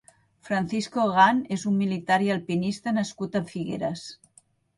Francisco Gan és un militar i alpinista nascut a Figueres.